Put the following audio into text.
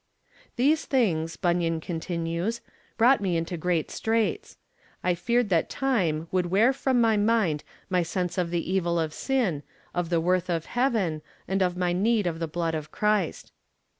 These things,' Bunyan continues, 'brought me into great straits. I feared that time would wear from my mind my sense of the evil of sin, of the worth of heaven, and of my need of the blood of Christ.'